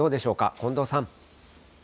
近藤さん。